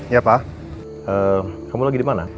ya pak kamu lagi dimana